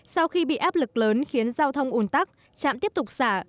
sau khi bị áp lực lớn khiến giao thông ủn tắc trạm tiếp tục xả